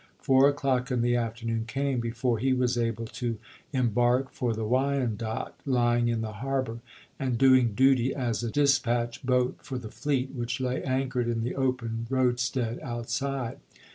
Four o'clock in the afternoon came before he was able to embark for the Wi/andotte, lying in the harbor, and doing duty as a dispatch boat for the fleet which lay anchored in the open roadstead outside.